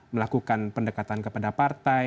melakukan pendekatan kepada partai